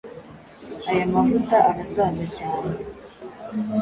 aya mavuta arasaza cyane